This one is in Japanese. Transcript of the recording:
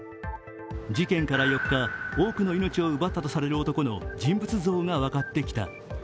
事件から４日、多くの命を奪ったとされる男の人物像が分かってきた。